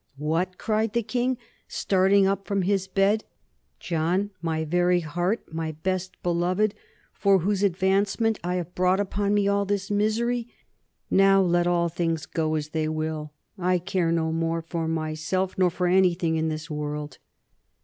"What," cried the king, starting up from his bed, "John, my very heart, my best beloved, for whose ad vancement I have brought upon me all this misery? Now let all things go as they will; I care no more for myself nor for anything in this world."